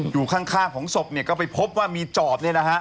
อยู่ข้างของศพเนี่ยก็ไปพบว่ามีจอบเนี่ยนะฮะ